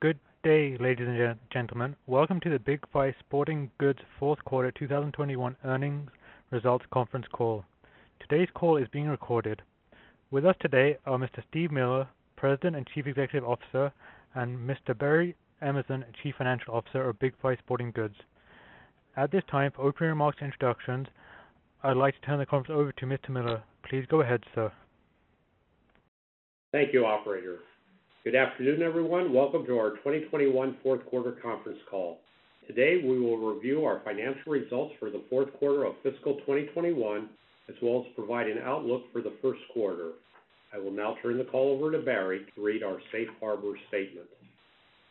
Good day, ladies and gentlemen. Welcome to the Big 5 Sporting Goods Q4 2021 Earnings Results Conference Call. Today's call is being recorded. With us today are Mr. Steven Miller, President and Chief Executive Officer, and Mr. Barry Emerson, Chief Financial Officer of Big 5 Sporting Goods. At this time, for opening remarks and introductions, I'd like to turn the conference over to Mr. Miller. Please go ahead, sir. Thank you, operator. Good afternoon, everyone. Welcome to our Q4 2021 conference call. Today, we will review our financial results for the fourth quarter of FY2021, as well as provide an outlook for the first quarter. I will now turn the call over to Barry to read our safe harbor statement.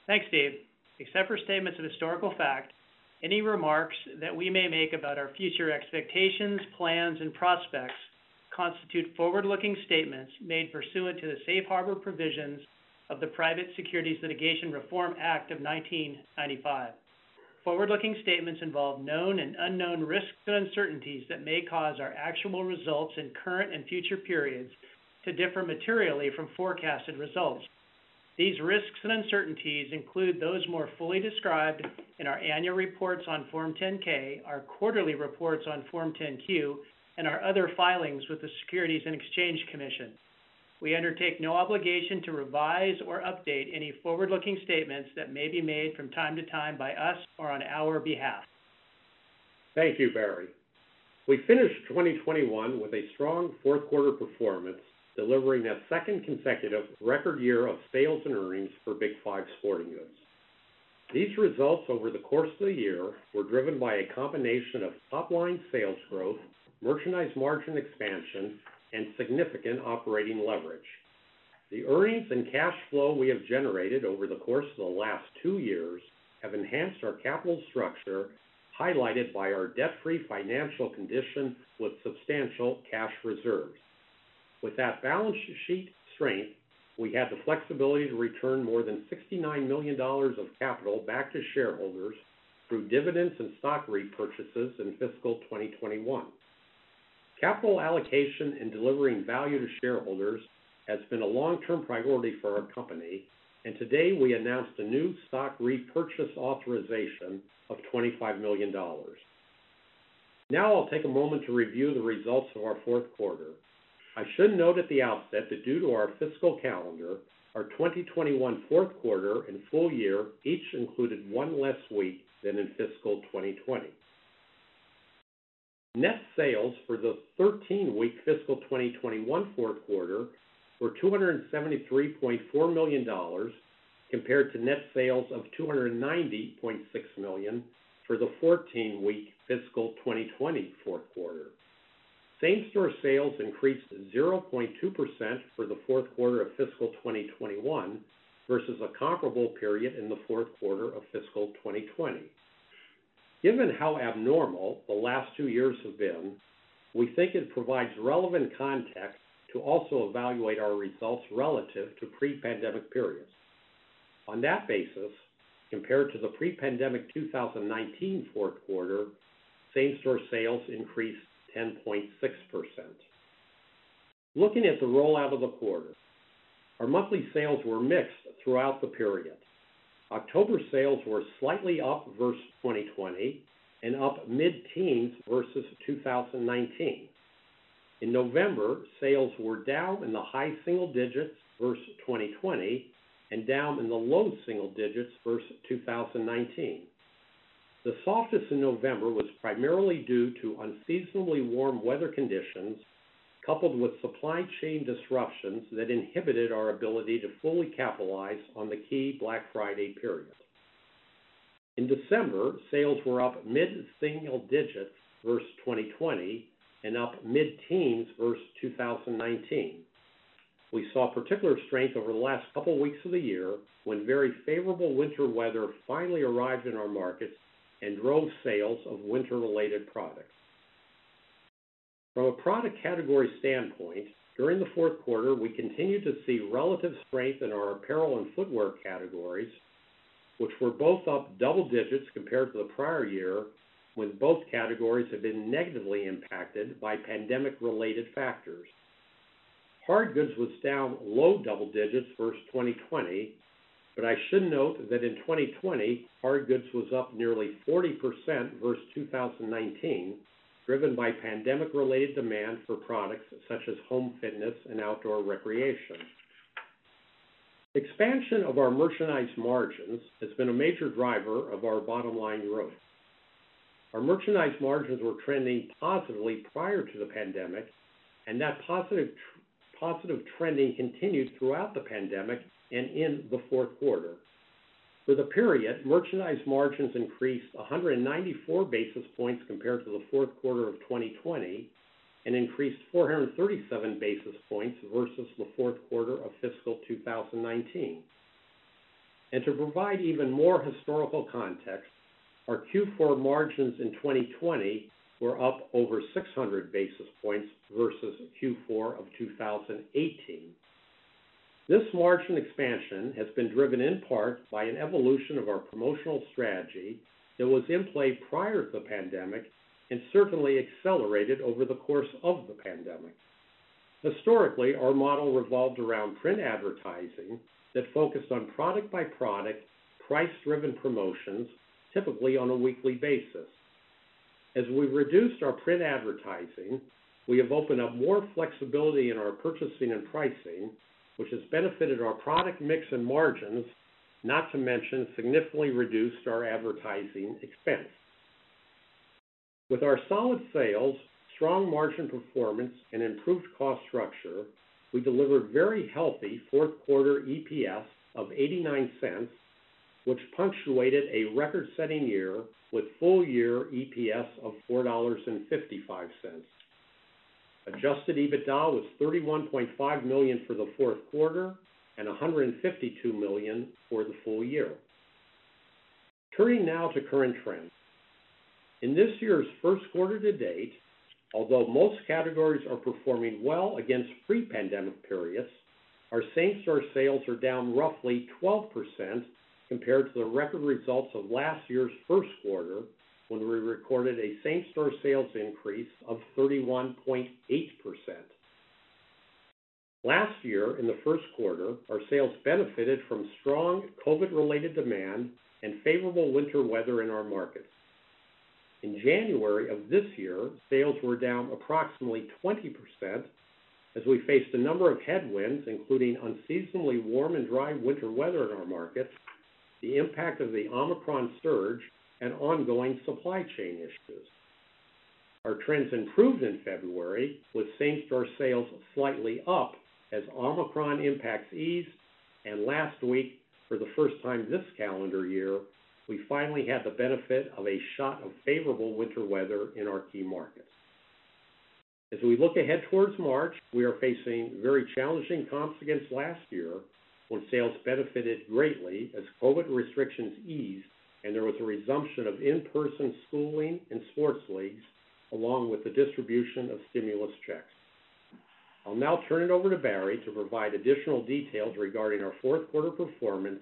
Thanks, Steve. Except for statements of historical fact, any remarks that we may make about our future expectations, plans, and prospects constitute forward-looking statements made pursuant to the safe harbor provisions of the Private Securities Litigation Reform Act of 1995. Forward-looking statements involve known and unknown risks and uncertainties that may cause our actual results in current and future periods to differ materially from forecasted results. These risks and uncertainties include those more fully described in our annual reports on Form 10-K, our quarterly reports on Form 10-Q, and our other filings with the Securities and Exchange Commission. We undertake no obligation to revise or update any forward-looking statements that may be made from time to time by us or on our behalf. Thank you, Barry. We finished 2021 with a strong fourth quarter performance, delivering a second consecutive record year of sales and earnings for Big 5 Sporting Goods. These results over the course of the year were driven by a combination of top-line sales growth, merchandise margin expansion, and significant operating leverage. The earnings and cash flow we have generated over the course of the last two years have enhanced our capital structure, highlighted by our debt-free financial condition with substantial cash reserves. With that balance sheet strength, we have the flexibility to return more than $69 million of capital back to shareholders through dividends and stock repurchases in FY2021. Capital allocation and delivering value to shareholders has been a long-term priority for our company, and today we announced a new stock repurchase authorization of $25 million. Now I'll take a moment to review the results of our Q4. I should note at the outset that due to our fiscal calendar, our Q4 2021 and full-year each included one less week than in FY2020. Net sales for the 13-week FY2021 Q4 were $273.4 million compared to net sales of $290.6 million for the 14-week FY2020 Q4. Same-store sales increased 0.2% for the Q4 of FY2021 versus a comparable period in the Q4 of FY2020. Given how abnormal the last two years have been, we think it provides relevant context to also evaluate our results relative to pre-pandemic periods. On that basis, compared to the pre-pandemic Q4 2019, same-store sales increased 10.6%. Looking at the rollout of the quarter, our monthly sales were mixed throughout the period. October sales were slightly up versus 2020 and up mid-teens versus 2019. In November, sales were down in the high single digits versus 2020 and down in the low single digits versus 2019. The softness in November was primarily due to unseasonably warm weather conditions coupled with supply chain disruptions that inhibited our ability to fully capitalize on the key Black Friday period. In December, sales were up mid-single digits versus 2020 and up mid-teens versus 2019. We saw particular strength over the last couple weeks of the year when very favorable winter weather finally arrived in our markets and drove sales of winter-related products. From a product category standpoint, during the Q4, we continued to see relative strength in our apparel and footwear categories, which were both up double digits compared to the prior year, when both categories had been negatively impacted by pandemic-related factors. Hard goods was down low double digits versus 2020, but I should note that in 2020 hard goods was up nearly 40% versus 2019, driven by pandemic-related demand for products such as home fitness and outdoor recreation. Expansion of our merchandise margins has been a major driver of our bottom line growth. Our merchandise margins were trending positively prior to the pandemic, and that positive trending continued throughout the pandemic and in the fourth quarter. For the period, merchandise margins increased 194 basis points compared to the Q4 2020 and increased 437 basis points versus the Q4 of FY2019. To provide even more historical context, our Q4 margins in 2020 were up over 600 basis points versus Q4 of 2018. This margin expansion has been driven in part by an evolution of our promotional strategy that was in play prior to the pandemic and certainly accelerated over the course of the pandemic. Historically, our model revolved around print advertising that focused on product by product, price-driven promotions, typically on a weekly basis. As we've reduced our print advertising, we have opened up more flexibility in our purchasing and pricing, which has benefited our product mix and margins, not to mention significantly reduced our advertising expense. With our solid sales, strong margin performance, and improved cost structure, we delivered very healthy fourth quarter EPS of $0.89, which punctuated a record-setting year with full-year EPS of $4.55. Adjusted EBITDA was $31.5 million for the Q4 and $152 million for the full year. Turning now to current trends. In this year's first quarter to date, although most categories are performing well against pre-pandemic periods, our same-store sales are down roughly 12% compared to the record results of last year's Q1, when we recorded a same-store sales increase of 31.8%. Last year in the Q1, our sales benefited from strong COVID-19 related demand and favorable winter weather in our markets. In January of this year, sales were down approximately 20% as we faced a number of headwinds, including unseasonably warm and dry winter weather in our markets, the impact of the Omicron surge, and ongoing supply chain issues. Our trends improved in February with same-store sales slightly up as Omicron impacts eased, and last week, for the first time this calendar year, we finally had the benefit of a shot of favorable winter weather in our key markets. As we look ahead towards March, we are facing very challenging comps against last year, when sales benefited greatly as COVID-19 restrictions eased and there was a resumption of in-person schooling and sports leagues, along with the distribution of stimulus checks. I'll now turn it over to Barry to provide additional details regarding our fourth quarter performance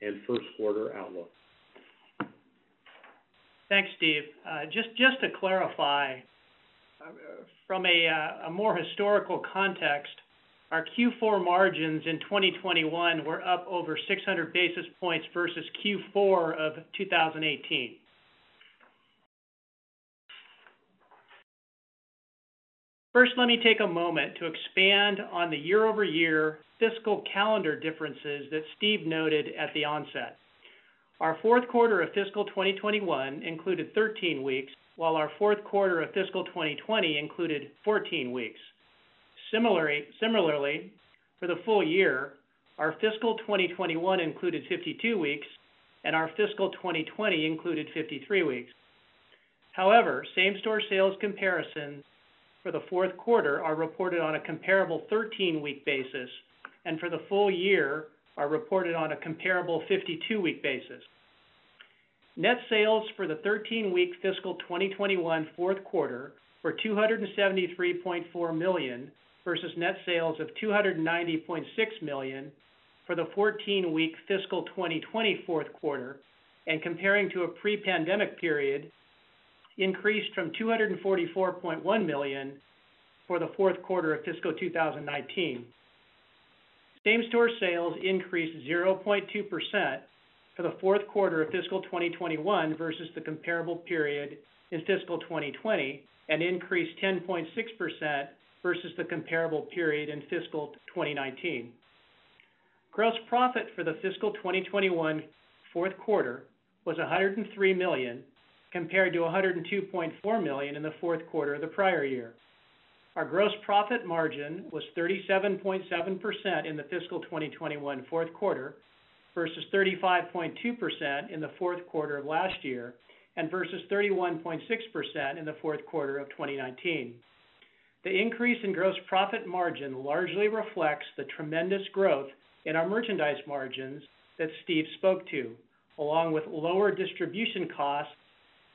and first quarter outlook. Thanks, Steve. Just to clarify, from a more historical context, our Q4 margins in 2021 were up over 600 basis points versus Q4 of 2018. First, let me take a moment to expand on the year-over-year fiscal calendar differences that Steve noted at the onset. Our Q4 of FY2021 included 13 weeks, while our Q4 of FY2020 included 14 weeks. Similarly for the full-year, our FY2021 included 52 weeks and our FY2020 included 53 weeks. However, same-store sales comparisons for the Q4 are reported on a comparable 13-week basis, and for the full-year are reported on a comparable 52-week basis. Net sales for the 13-week FY2021 Q4 were $273.4 million, versus net sales of $290.6 million for the 14-week FY2020 Q4, and comparing to a pre-pandemic period, increased from $244.1 million for the Q4 of FY2019. Same-store sales increased 0.2% for the Q4 of FY2021 versus the comparable period in FY2020, and increased 10.6% versus the comparable period in FY2019. Gross profit for the FY2021 Q4 was $103 million, compared to $102.4 million in the Q4 of the prior year. Our gross profit margin was 37.7% in the FY2021 Q4 versus 35.2% in the Q4 of last year, and versus 31.6% in the Q4 of 2019. The increase in gross profit margin largely reflects the tremendous growth in our merchandise margins that Steve spoke to, along with lower distribution costs,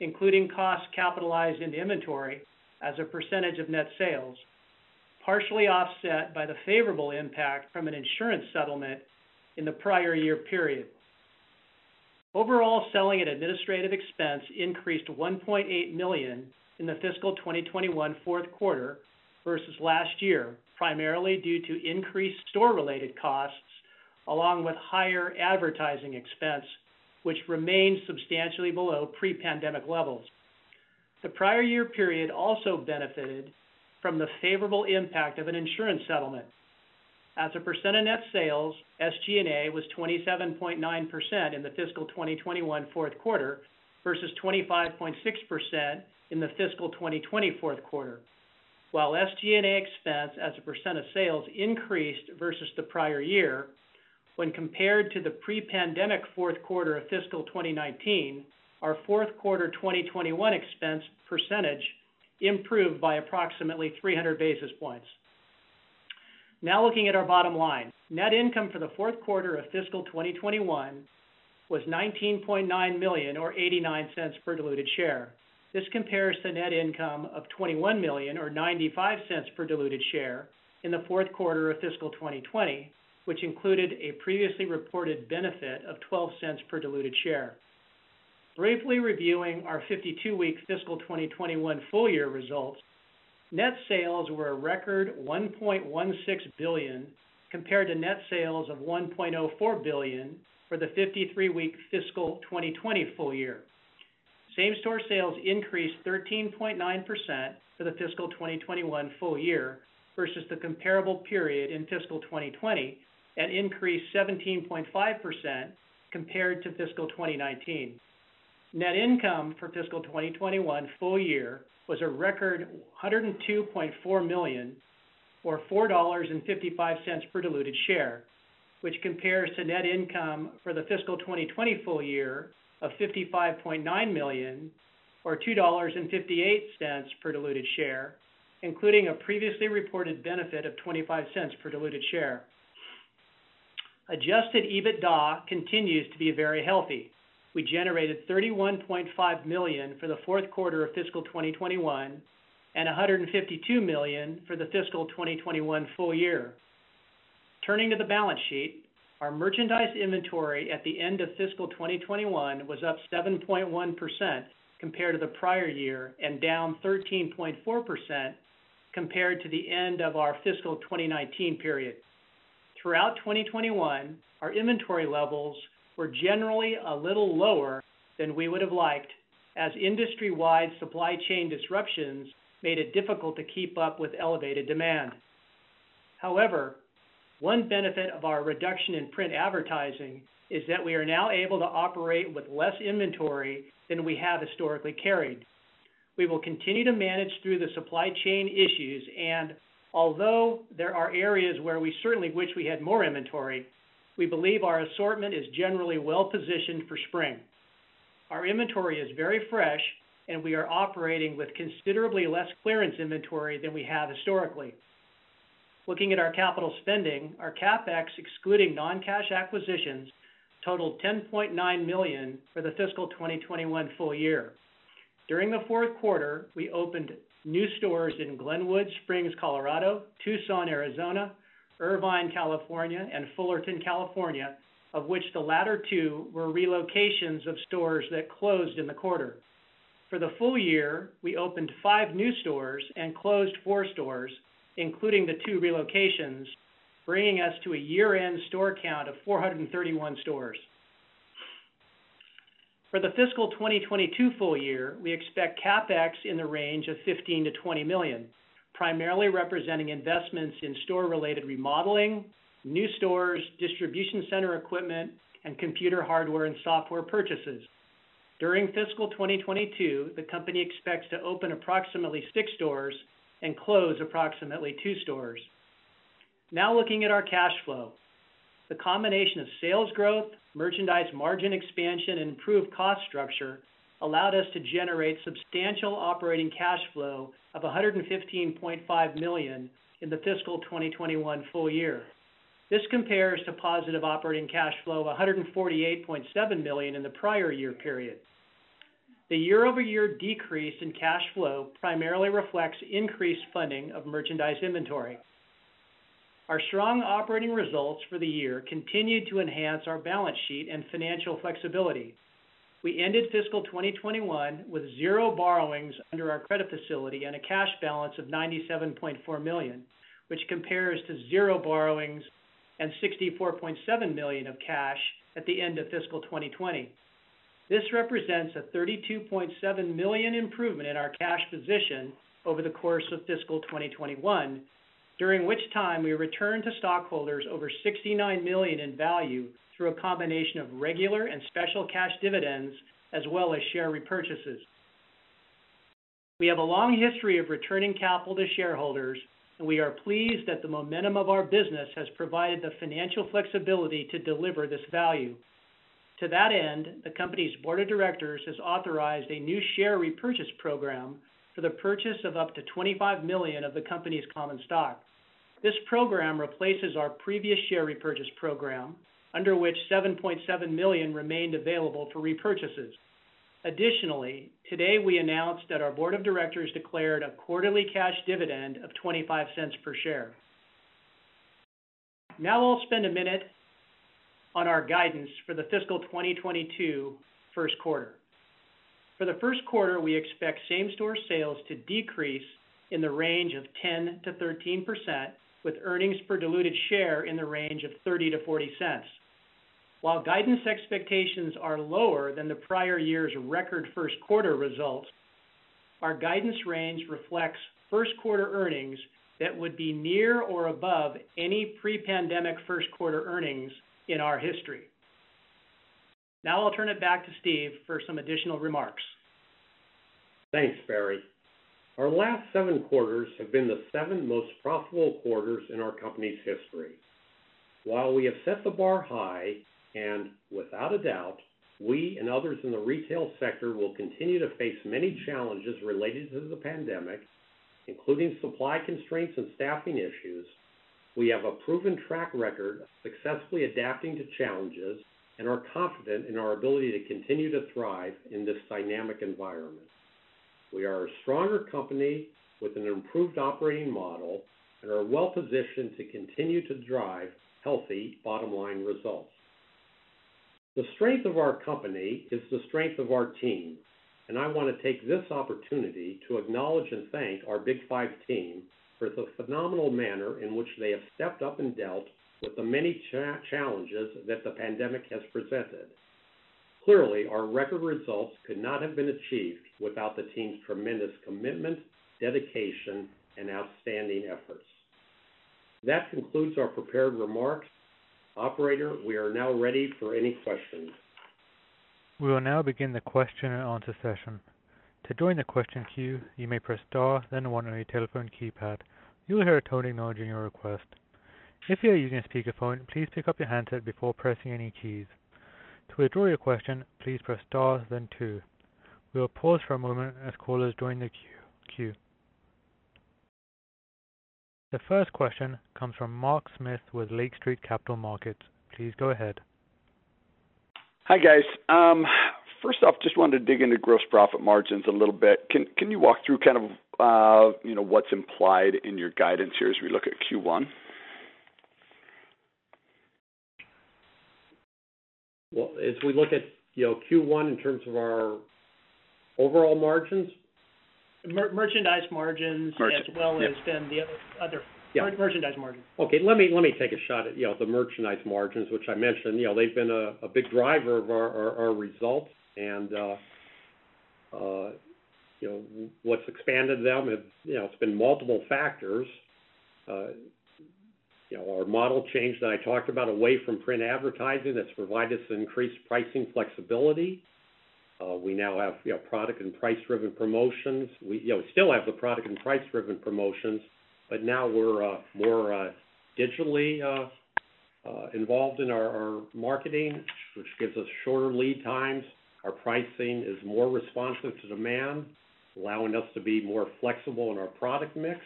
including costs capitalized into inventory as a percentage of net sales, partially offset by the favorable impact from an insurance settlement in the prior year period. Overall, selling and administrative expense increased $1.8 million in the FY2021 Q4 versus last year, primarily due to increased store related costs along with higher advertising expense, which remains substantially below pre-pandemic levels. The prior year period also benefited from the favorable impact of an insurance settlement. As a percent of net sales, SG&A was 27.9% in the fiscal 2021 Q4 versus 25.6% in the FY2020 Q4 while SG&A expense as a percent of sales increased versus the prior year, when compared to the pre-pandemic Q4 of FY2019, our Q4 2021 expense percentage improved by approximately 300 basis points. Now looking at our bottom line. Net income for the Q4 of FY2021 was $19.9 million or $0.89 per diluted share. This compares to net income of $21 million or $0.95 per diluted share in the Q4 of FY2020, which included a previously reported benefit of $0.12 per diluted share. Briefly reviewing our 52-week FY2021 full-year results, net sales were a record $1.16 billion, compared to net sales of $1.04 billion for the 53-week FY2020 full-year. Same-store sales increased 13.9% for the FY2021 full-year versus the comparable period in FY2020, and increased 17.5% compared to fiscal 2019. Net income for FY2021 full-year was a record $102.4 million, or $4.55 per diluted share, which compares to net income for the fiscal 2020 full year of $55.9 million, or $2.58 per diluted share, including a previously reported benefit of 25 cents per diluted share. Adjusted EBITDA continues to be very healthy. We generated $31.5 million for the Q4 of FY2021, and $152 million for the FY2021 full-year. Turning to the balance sheet, our merchandise inventory at the end of FY2021 was up 7.1% compared to the prior year, and down 13.4% compared to the end of our fiscal 2019 period. Throughout 2021, our inventory levels were generally a little lower than we would have liked as industry-wide supply chain disruptions made it difficult to keep up with elevated demand. However, one benefit of our reduction in print advertising is that we are now able to operate with less inventory than we have historically carried. We will continue to manage through the supply chain issues, and although there are areas where we certainly wish we had more inventory, we believe our assortment is generally well positioned for spring. Our inventory is very fresh, and we are operating with considerably less clearance inventory than we have historically. Looking at our capital spending, our CapEx, excluding non-cash acquisitions, totaled $10.9 million for the FY2021 full-year. During the Q4, we opened new stores in Glenwood Springs, Colorado, Tucson, Arizona, Irvine, California, and Fullerton, California, of which the latter two were relocations of stores that closed in the quarter. For the full-year, we opened five new stores and closed four stores, including the two relocations, bringing us to a year-end store count of 431 stores. For the FY2022 full-year, we expect CapEx in the range of $15 million-$20 million, primarily representing investments in store-related remodeling, new stores, distribution center equipment, and computer hardware and software purchases. During FY2022, the company expects to open approximately six stores and close approximately two stores. Now looking at our cash flow. The combination of sales growth, merchandise margin expansion, and improved cost structure allowed us to generate substantial operating cash flow of $115.5 million in the FY2021 full-year. This compares to positive operating cash flow of $148.7 million in the prior year period. The year-over-year decrease in cash flow primarily reflects increased funding of merchandise inventory. Our strong operating results for the year continued to enhance our balance sheet and financial flexibility. We ended FY2021 with zero borrowings under our credit facility and a cash balance of $97.4 million, which compares to zero borrowings and $64.7 million of cash at the end of fiscal 2020. This represents a $32.7 million improvement in our cash position over the course of FY2021, during which time we returned to stockholders over $69 million in value through a combination of regular and special cash dividends, as well as share repurchases. We have a long history of returning capital to shareholders, and we are pleased that the momentum of our business has provided the financial flexibility to deliver this value. To that end, the company's board of directors has authorized a new share repurchase program for the purchase of up to 25 million of the company's common stock. This program replaces our previous share repurchase program, under which 7.7 million remained available for repurchases. Additionally, today we announced that our board of directors declared a quarterly cash dividend of $0.25 per share. Now I'll spend a minute on our guidance for the FY2022 Q1. For the Q1, we expect same-store sales to decrease in the range of 10%-13%, with earnings per diluted share in the range of $0.30-$0.40. While guidance expectations are lower than the prior year's record first quarter results, our guidance range reflects first quarter earnings that would be near or above any pre-pandemic first quarter earnings in our history. Now I'll turn it back to Steve for some additional remarks. Thanks, Barry. Our last seven quarters have been the seven most profitable quarters in our company's history. While we have set the bar high, and without a doubt, we and others in the retail sector will continue to face many challenges related to the pandemic, including supply constraints and staffing issues, we have a proven track record of successfully adapting to challenges and are confident in our ability to continue to thrive in this dynamic environment. We are a stronger company with an improved operating model and are well positioned to continue to drive healthy bottom-line results. The strength of our company is the strength of our team, and I want to take this opportunity to acknowledge and thank our Big 5 team for the phenomenal manner in which they have stepped up and dealt with the many challenges that the pandemic has presented. Clearly, our record results could not have been achieved without the team's tremendous commitment, dedication, and outstanding efforts. That concludes our prepared remarks. Operator, we are now ready for any questions. We will now begin the question and answer session. To join the question queue, you may press star, then one on your telephone keypad. You will hear a tone acknowledging your request. If you are using a speakerphone, please pick up your handset before pressing any keys. To withdraw your question, please press star, then two. We will pause for a moment as callers join the queue. The first question comes from Mark Smith with Lake Street Capital Markets. Please go ahead. Hi, guys. First off, just wanted to dig into gross profit margins a little bit. Can you walk through kind of, you know, what's implied in your guidance here as we look at Q1? Well, as we look at, Q1 in terms of our overall margins? Merchandise margins Margins, yeah. As well as then the other Yeah. Merchandise margins. Okay. Let me take a shot at, the merchandise margins, which I mentioned. They've been a big driver of our results and, what's expanded them, it's been multiple factors. Our model change that I talked about away from print advertising that's provided us increased pricing flexibility. We now have, product and price-driven promotions. We, still have the product and price-driven promotions, but now we're more digitally involved in our marketing, which gives us shorter lead times. Our pricing is more responsive to demand, allowing us to be more flexible in our product mix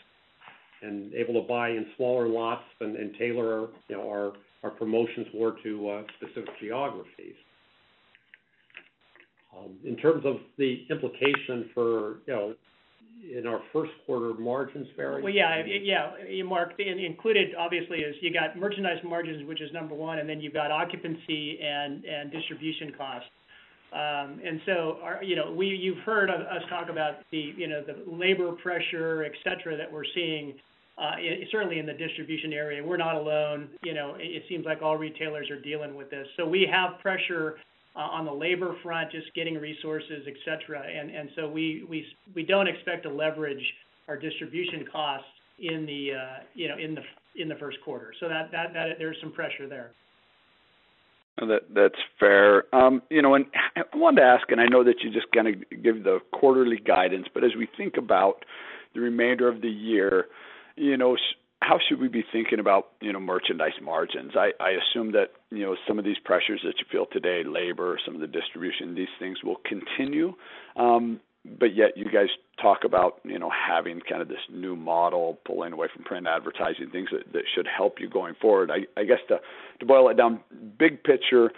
and able to buy in smaller lots and tailor, you know, our promotions more to specific geographies. In terms of the implication for, in our first quarter margins, Barry? Well, yeah, Mark. Included, obviously, is you got merchandise margins, which is number one, and then you've got occupancy and distribution costs. Our, you've heard of us talk about the, the labor pressure, et cetera, that we're seeing, certainly in the distribution area. We're not alone. It seems like all retailers are dealing with this. We have pressure on the labor front, just getting resources, et cetera. We don't expect to leverage our distribution costs in the Q1. There's some pressure there. That's fair. And I wanted to ask, and I know that you're just gonna give the quarterly guidance, but as we think about the remainder of the year, how should we be thinking about, merchandise margins? I assume that, some of these pressures that you feel today, labor, some of the distribution, these things will continue. Yet you guys talk about, having kind of this new model, pulling away from print advertising, things that should help you going forward. I guess to boil it down, big picture,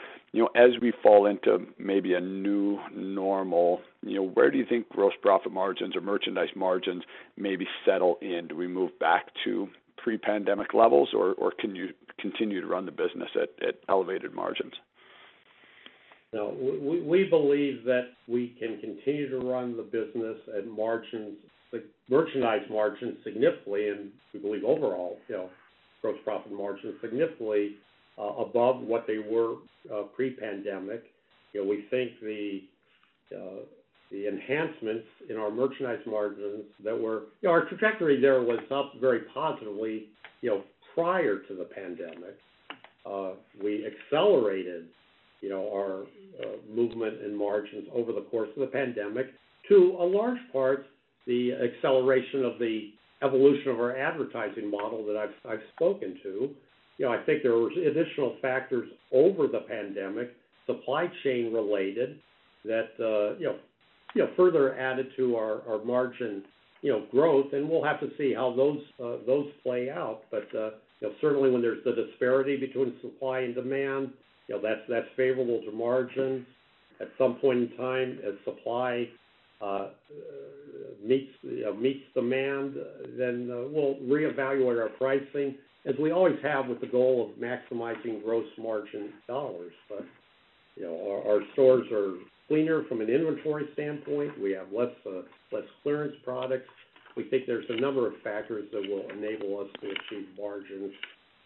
as we fall into maybe a new normal, where do you think gross profit margins or merchandise margins maybe settle in? Do we move back to pre-pandemic levels, or can you continue to run the business at elevated margins? No. We believe that we can continue to run the business at margins, merchandise margins significantly, and we believe overall, you know, gross profit margins significantly above what they were pre-pandemic. You know, we think the enhancements in our merchandise margins that were. Our trajectory there was up very positively, prior to the pandemic. We accelerated, our movement in margins over the course of the pandemic to a large part the acceleration of the evolution of our advertising model that I've spoken to. I think there was additional factors over the pandemic, supply chain related, that, further added to our margin, growth, and we'll have to see how those play out. Certainly when there's the disparity between supply and demand, that's favorable to margins. At some point in time, as supply meets demand, then we'll reevaluate our pricing, as we always have with the goal of maximizing gross margin dollars. Our stores are cleaner from an inventory standpoint. We have less clearance products. We think there's a number of factors that will enable us to achieve margins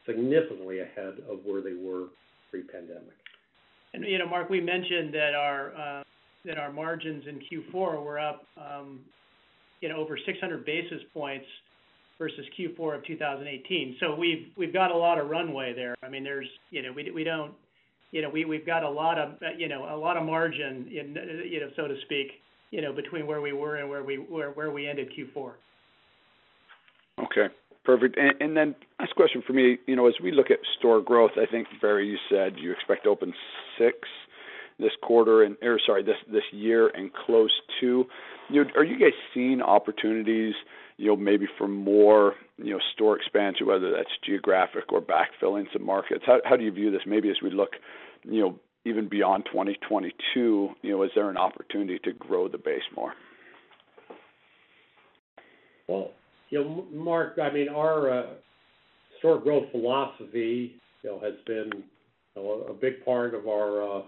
significantly ahead of where they were pre-pandemic. Mark, we mentioned that our margins in Q4 were up, over 600 basis points versus Q4 of 2018. We've got a lot of runway there. I mean, we've got a lot of margin, so to speak, between where we were and where we ended Q4. Okay, perfect. Then last question from me. As we look at store growth, I think, Barry, you said you expect to open 6 this year and close two. Are you guys seeing opportunities, maybe for more, store expansion, whether that's geographic or backfilling some markets? How do you view this maybe as we look, even beyond 2022? Is there an opportunity to grow the base more? Well, Mark, I mean, our store growth philosophy, has been a big part of what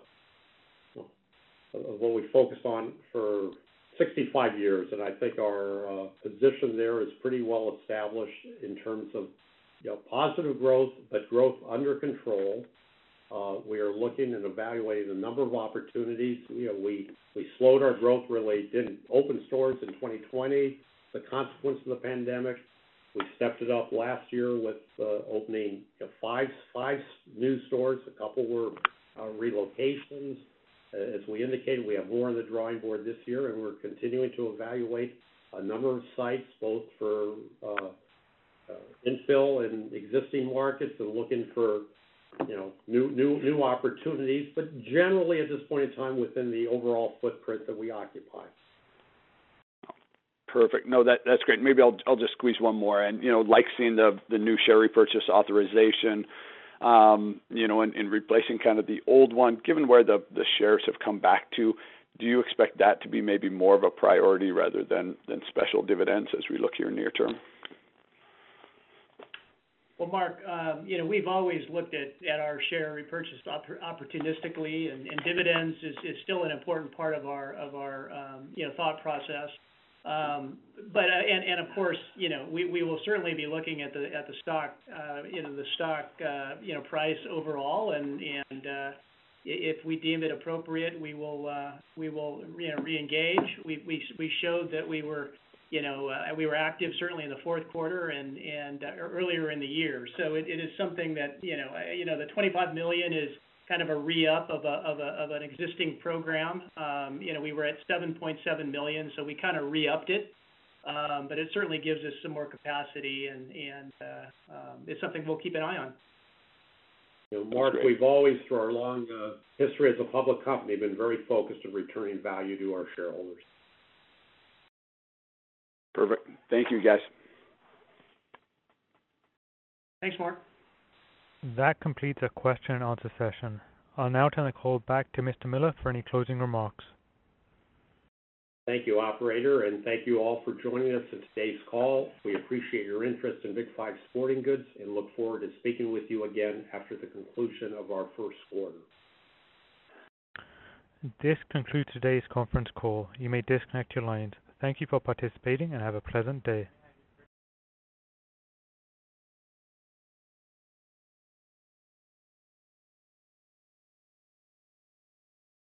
we focused on for 65 years. I think our position there is pretty well established in terms of, positive growth, but growth under control. We are looking and evaluating a number of opportunities. We slowed our growth, really didn't open stores in 2020, the consequence of the pandemic. We stepped it up last year with opening, five new stores. A couple were relocations. As we indicated, we have more on the drawing board this year, and we're continuing to evaluate a number of sites, both for infill in existing markets and looking for, new opportunities. Generally, at this point in time, within the overall footprint that we occupy. Perfect. No, that's great. Maybe I'll just squeeze one more in. Like seeing the new share repurchase authorization, and replacing kind of the old one. Given where the shares have come back to, do you expect that to be maybe more of a priority rather than special dividends as we look here near term? Well, Mark, we've always looked at our share repurchase opportunistically and dividends is still an important part of our thought process. Of course, we will certainly be looking at the stock price overall. If we deem it appropriate, we will reengage. We showed that we were active certainly in the Q4 and earlier in the year. It is something that you know. You know, the $25 million is kind of a re-up of an existing program. We were at $7.7 million, so we kinda re-upped it. It certainly gives us some more capacity and it's something we'll keep an eye on. That's great. Mark, we've always, through our long history as a public company, been very focused on returning value to our shareholders. Perfect. Thank you, guys. Thanks, Mark. That completes our question and answer session. I'll now turn the call back to Mr. Miller for any closing remarks. Thank you, operator, and thank you all for joining us on today's call. We appreciate your interest in Big 5 Sporting Goods and look forward to speaking with you again after the conclusion of our first quarter. This concludes today's conference call. You may disconnect your lines. Thank you for participating and have a pleasant day.